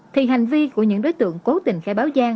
thì hành vi của những đối tượng cố tình khai báo gian